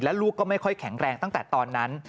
ลูกก็ไม่ค่อยแข็งแรงตั้งแต่ตอนนั้น